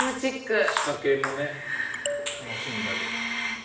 そういう仕掛けも楽しんだり。